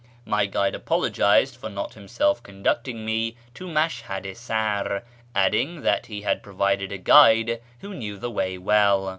My guide apologised for not himself conduct ing me to Mashhad i Sar, adding that he had provided a guide who knew the way well.